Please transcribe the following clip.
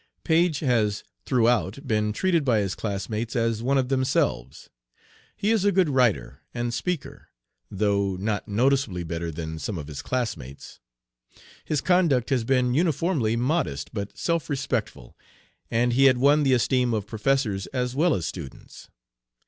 Page has throughout been treated by his classmates as one of themselves. He is a good writer and speaker, though not noticeably better than some of his classmates. His conduct has been uniformly modest but self respectful, and he had won the esteem of professors as well as students.